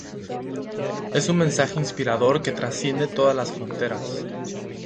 Es un mensaje inspirador que trasciende todas las fronteras.